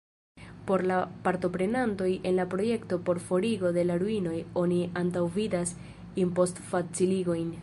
Por la partoprenantoj en la projekto por forigo de la ruinoj oni antaŭvidas impostfaciligojn.